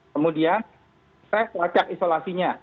kemudian set wacak isolasinya